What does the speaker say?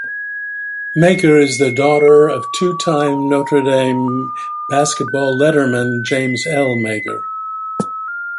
Meagher is the daughter of two-time Notre Dame basketball letterman James L. Meagher.